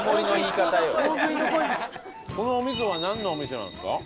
このお味噌はなんのお味噌なんですか？